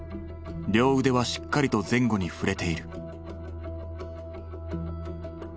両腕はしっかりと前後に振れている。